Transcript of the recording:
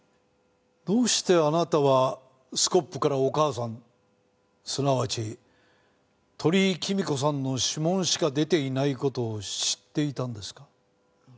どうしてあなたはスコップからお義母さんすなわち鳥居貴美子さんの指紋しか出ていない事を知っていたんですか？